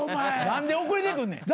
何で遅れてくんねん。